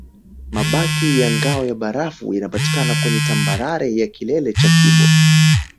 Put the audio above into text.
Mabaki ya ngao ya barafu yanapatikana kwenye tambarare ya kilele cha kibo